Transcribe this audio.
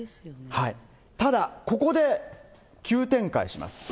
ただ、ここで急展開します。